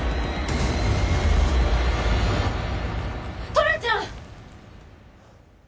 トラちゃん！